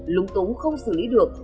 lúng túng không xử lý được